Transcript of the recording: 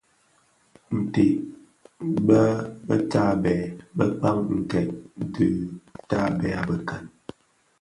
Ntèd bè tabèè bëkpaň nted dhi tabèè bëkan.